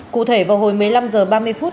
cụ thể vào hồi một mươi năm h ba mươi phút